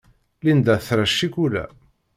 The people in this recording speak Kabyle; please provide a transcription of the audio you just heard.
Linda tra ccikula.